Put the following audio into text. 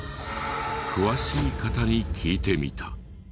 詳しい方に聞いてみた。